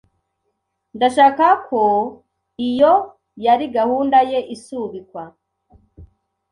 Ndashaka ko iyo yari gahunda ye, isubikwa .